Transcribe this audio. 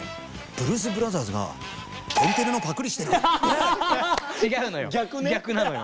「ブルース・ブラザース」が「天てれ」のパクリしてる？